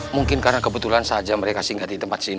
mungkin karena kebetulan saja mereka singgah di tempat sini